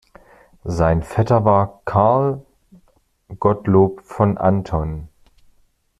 Sein Vetter war Karl Gottlob von Anton.